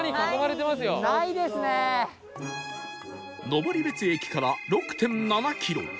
登別駅から ６．７ キロ